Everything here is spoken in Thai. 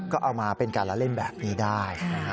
ก็เอามาเป็นการละเล่นแบบนี้ได้